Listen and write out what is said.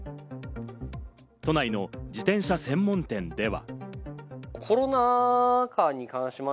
都内の自転車専門店では。